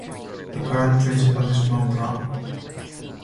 The current principal is Ron Brown.